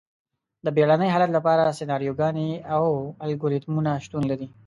د بیړني حالت لپاره سناریوګانې او الګوریتمونه شتون لري.